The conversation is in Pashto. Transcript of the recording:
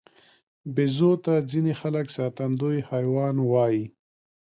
بیزو ته ځینې خلک ساتندوی حیوان وایي.